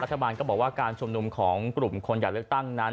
รัฐบาลก็บอกว่าการชุมนุมของกลุ่มคนอยากเลือกตั้งนั้น